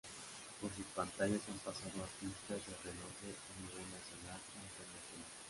Por sus pantallas han pasado artistas de renombre a nivel nacional e internacional.